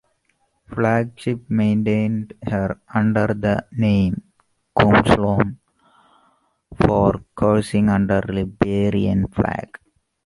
Flagship maintained her under the name "Kungsholm" for cruising under Liberian flag.